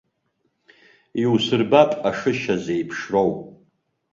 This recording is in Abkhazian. Иусырбап ашышьа зеиԥшроу!